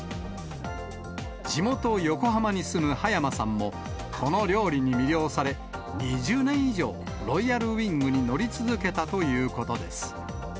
地元横浜に住むはやまさんもこの料理に魅了され、２０年以上、ロイヤルウイングに乗り続けたということです。